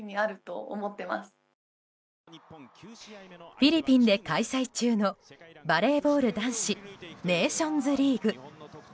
フィリピンで開催中のバレーボール男子ネーションズリーグ。